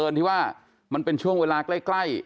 ที่ว่ามันเป็นช่วงเวลาใกล้